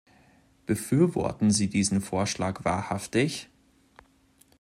Befürworten Sie diesen Vorschlag wahrhaftig?